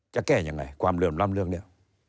จะแก้อย่างไรความเริ่มร่ำเรื่องนี้